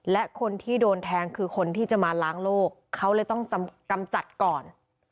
และคนที่โดนแทงคือคนที่จะมาล้างโลกเขาเลยต้องกำจัดก่อน